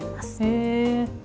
へえ。